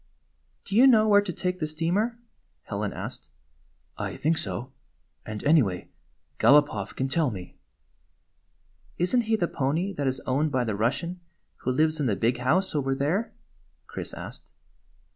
"Do you know where to take the steamer?" Helen asked. " I think so. And anyway, Galopoff can tell me." " Is n't he the pony that is owned by the Bus sian who lives in the big house over there?" Chris asked.